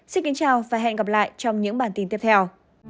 xin kính chào và hẹn gặp lại trong những bản tin tiếp theo